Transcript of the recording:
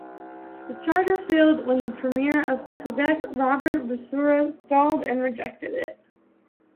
The Charter failed when the premier of Quebec, Robert Bourassa, stalled and rejected it.